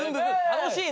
楽しいね。